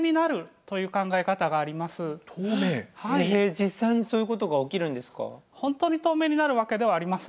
実際にそういうことが起きるんですか？